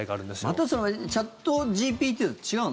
またそのチャットＧＰＴと違うの？